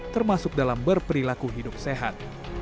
termasuk dalam berperilaku hidup sehat